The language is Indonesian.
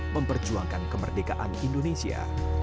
memperjuangkan kemerdekaan indonesia